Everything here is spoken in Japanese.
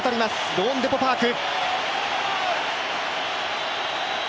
ローンデポ・パーク。